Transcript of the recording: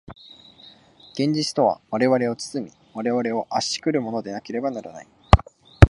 現実とは我々を包み、我々を圧し来るものでなければならない。